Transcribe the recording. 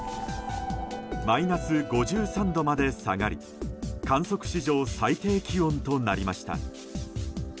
マイナス５３度まで下がり観測史上最低気温となりました。